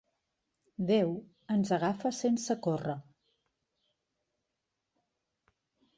Déu ens agafa sense córrer.